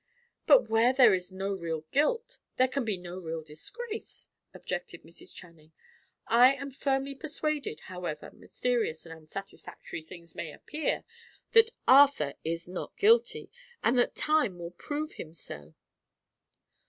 "But where there is no real guilt there can be no real disgrace," objected Mrs. Channing. "I am firmly persuaded, however mysterious and unsatisfactory things may appear, that Arthur is not guilty, and that time will prove him so."